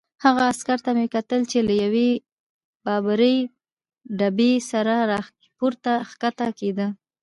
هغه عسکر ته مې کتل چې له یوې باربرې ډبې سره پورته کښته کېده.